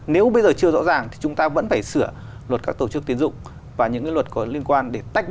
nếu bây giờ chưa rõ ràng thì chúng ta vẫn phải sửa luật các tổ chức tiến dụng và những luật có liên quan để tách